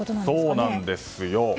そうなんですよ。